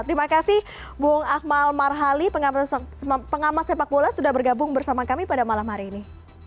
terima kasih bung akmal marhali pengamat sepak bola sudah bergabung bersama kami pada malam hari ini